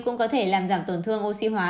cũng có thể làm giảm tổn thương oxy hóa